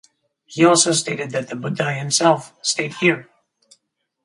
He also stated that the Buddha himself stayed here.